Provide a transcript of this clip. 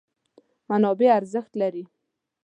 منابع ارزښت لري.